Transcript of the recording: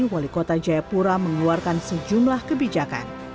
wali kota jayapura mengeluarkan sejumlah kebijakan